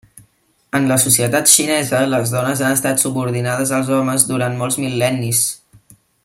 En la societat xinesa, les dones han estat subordinades als homes durant molts mil·lennis.